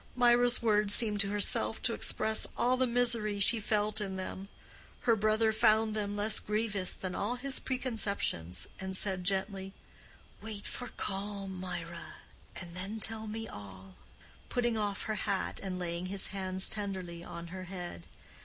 Mirah's words seemed to herself to express all the misery she felt in them. Her brother found them less grievous than his preconceptions, and said gently, "Wait for calm, Mirah, and then tell me all,"—putting off her hat and laying his hands tenderly on her head.